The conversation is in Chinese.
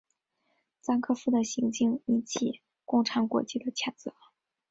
赞科夫的行径引起共产国际的谴责。